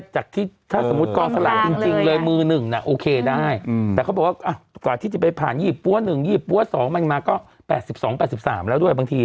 จากที่ถ้าสมมุติกองสลากจริงเลยมือหนึ่งน่ะโอเคได้แต่เขาบอกว่ากว่าที่จะไปผ่านยี่ปั้ว๑๒ปั๊ว๒มันมาก็๘๒๘๓แล้วด้วยบางที